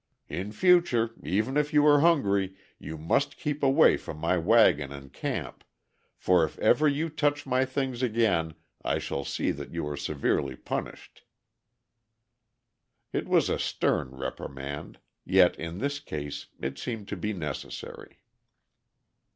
In future, even if you are hungry, you must keep away from my wagon and camp, for if ever you touch my things again, I shall see that you are severely punished." It was a stern reprimand, yet in this case it seemed to be necessary.